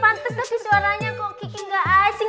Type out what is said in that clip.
pantes tapi suaranya kok kiki gak asing